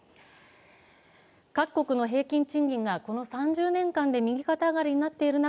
各国の平均賃金がこの３０年間で右肩上がりになっている中